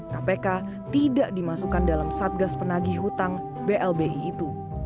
kpk tidak dimasukkan dalam satgas penagih hutang blbi itu